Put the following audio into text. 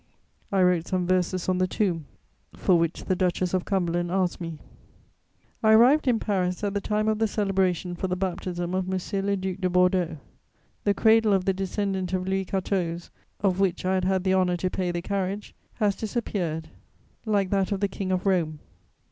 I wrote some verses on the tomb for which the Duchess of Cumberland asked me. I arrived in Paris at the time of the celebration for the baptism of M. le Duc de Bordeaux. The cradle of the descendant of Louis XIV., of which I had had the honour to pay the carriage, has disappeared like that of the King of Rome.